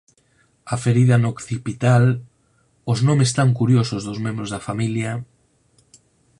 A ferida no occipital… Os nomes tan curiosos dos membros da familia…